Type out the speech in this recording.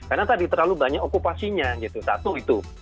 karena tadi terlalu banyak okupasinya satu itu